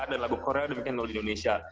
dan lagu korea dimainkan oleh indonesia